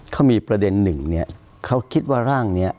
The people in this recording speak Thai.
เขามีประเด็นหนึ่งเนี่ยเขาคิดว่าร่างนี้